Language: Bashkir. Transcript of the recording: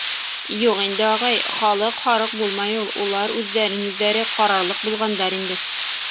— Юҡ инде, ағай, халыҡ һарыҡ булмай ул. Улар үҙҙәрен-үҙҙәре ҡарарлыҡ булғандар инде.